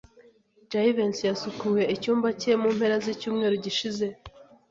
Jivency yasukuye icyumba cye mu mpera zicyumweru gishize.